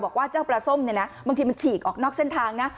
บอกว่าเจ้าปลาส้มเนี่ยนะบางทีมันฉีกออกนอกเส้นทางนะ